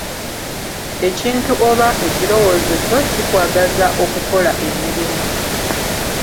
Ekintu oba ekirowoozo kyo kikwagaza okukola emirimu .